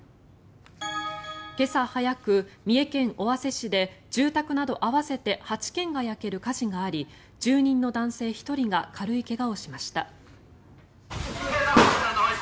今朝早く、三重県尾鷲市で住宅など合わせて８軒が焼ける火事があり住人の男性１人が軽い怪我をしました。